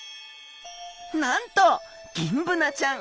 なんとギンブナちゃん！